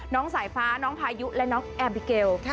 น้องสายฟ้าน้องพายุและน้องแอมบิเกล